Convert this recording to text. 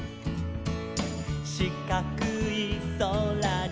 「しかくいそらに」